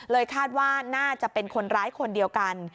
คาดว่าน่าจะเป็นคนร้ายคนเดียวกัน